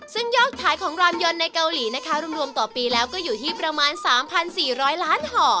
ซึ่งยอดขายของรามยนต์ในเกาหลีนะคะรวมต่อปีแล้วก็อยู่ที่ประมาณ๓๔๐๐ล้านห่อ